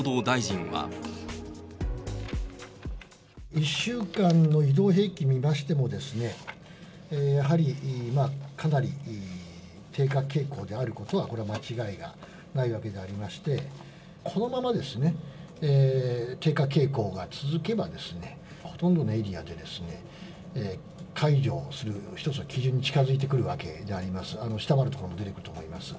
１週間の移動平均見ましても、やはりかなり低下傾向であることはこれ、間違いがないわけでありまして、このままですね、低下傾向が続けばですね、ほとんどのエリアで解除する一つの基準に近づいてくるわけであります、下回る所も出てくると思います。